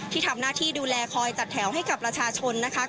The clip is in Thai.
ที่ทำหน้าที่ดูแลคอยจัดแถวให้จัดแถวให้บริษาชน